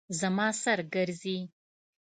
زما سر ګرځي